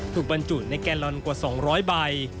บรรจุในแกลลอนกว่า๒๐๐ใบ